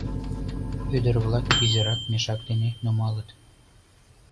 Ӱдыр-влак изирак мешак дене нумалыт.